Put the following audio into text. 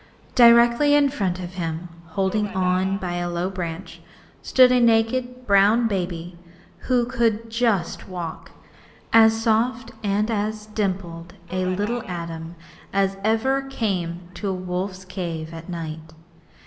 Directly in front of him, holding on by a low branch, stood a naked brown baby who could just walk as soft and as dimpled a little atom as ever came to a wolf's cave at night.